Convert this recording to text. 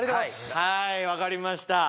はいわかりました